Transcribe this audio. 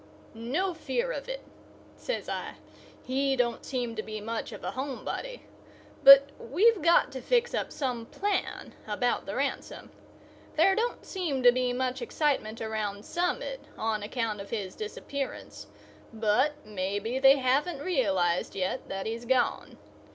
"No fear of it," says I. "He don't seem to be much of a home body. But we've got to fix up some plan about the ransom. There don't seem to be much excitement around Summit on account of his disappearance; but maybe they haven't realized yet that he's gone.